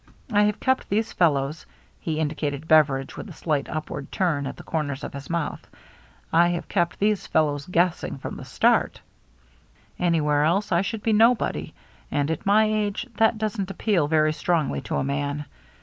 I have kept these fel lows," — he indicated Beveridge, with a slight upward turn at the corners of his mouth — "I have kept these fellows guessing from the start. Anywhere else I should be nobody, and at my age that doesn't appeal very strongly to a man.